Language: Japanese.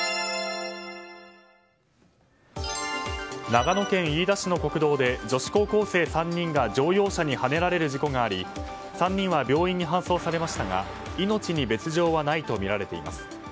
長野県飯田市の国道で女子高校生３人が乗用車にはねられる事故があり３人は病院に搬送されましたが命に別条はないとみられています。